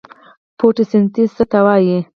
فوتوسنتیز څه ته وایي؟